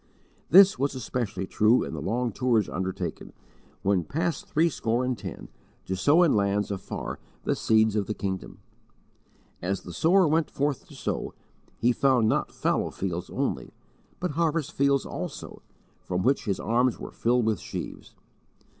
This was especially true in the long tours undertaken, when past threescore and ten, to sow in lands afar the seeds of the Kingdom! As the sower went forth to sow he found not fallow fields only, but harvest fields also, from which his arms were filled with sheaves.